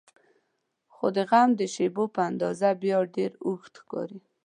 خو د غم د شیبو په اندازه بیا ډېر اوږد ښکاري.